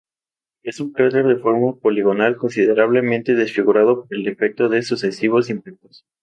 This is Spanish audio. Es un cráter de forma poligonal, considerablemente desfigurado por el efecto de sucesivos impactos.